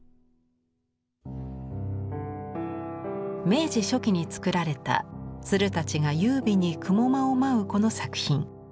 明治初期に作られた鶴たちが優美に雲間を舞うこの作品。